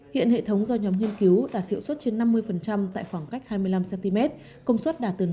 hiện hệ thống do nhóm nghiên cứu đạt hiệu suất trên năm mươi tại khoảng cách hai mươi năm cm công suất đạt từ năm đến một mươi kw